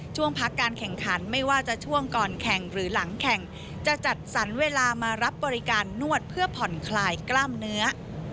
ช่วงพักการแข่งขันไม่ว่าจะช่วงก่อนแข่งหรือหลังแข่งจะจัดสรรเวลามารับบริการนวดเพื่อผ่อนคลายกล้ามเนื้อ